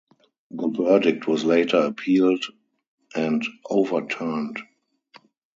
The verdict was later appealed and overturned.